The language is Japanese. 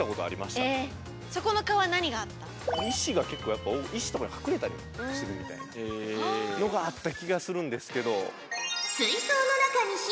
石が結構石とかに隠れたりするみたいなのがあった気がするんですけど。